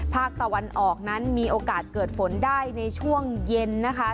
ภาคตะวันออกนั้นมีโอกาสเกิดฝนได้ในช่วงเย็นนะคะ